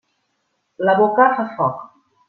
La boca fa foc.